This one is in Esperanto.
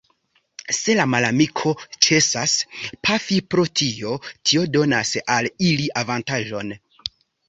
Se la malamiko ĉesas pafi pro tio, tio donas al ili avantaĝon.